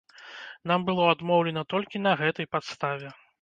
Нам было адмоўлена толькі на гэтай падставе.